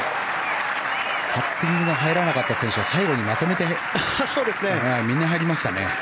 パッティングが入らなかった選手は最後にまとめてみんな入りましたね。